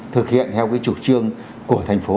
thực hiện theo cái trục trương của thành phố